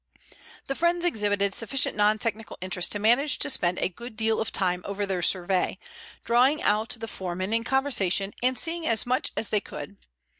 The friends exhibited sufficient non technical interest to manage to spend a good deal of time over their survey, drawing out the foreman in conversation and seeing as much as they could.